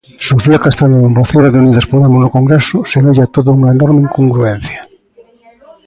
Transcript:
Sofía Castañón Voceira de Unidas Podemos no Congreso Semella todo unha enorme incongruencia.